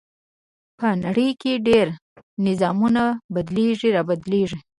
په نړۍ کې ډېر نظامونه بدليږي را بدلېږي .